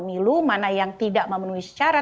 jadi sehingga di mana yang tidak memenuhi secara kemampuan